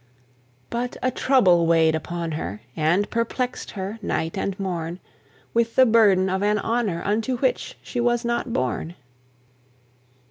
But a trouble weigh'd upon her And perplex'd her, night and morn, With the burden of an honour Unto which she was not born.